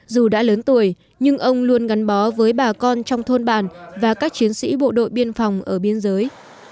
dù đã lớn tuổi nhưng ông luôn gắn bó với bà con trong thôn bàn và các chiến sĩ bộ đội biên phòng ở biên giới